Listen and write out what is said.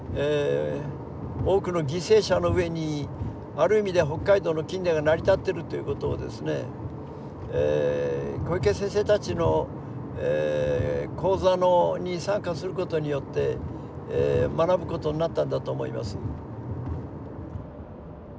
多くの犠牲者の上にある意味では北海道の近代が成り立ってるということをですね小池先生たちの講座に参加することによって学ぶことになったんだと思います。